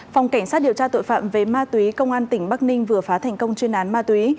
phòng cảnh sát điều tra tội phạm về ma túy công an tỉnh bắc ninh vừa phá thành công chuyên án ma túy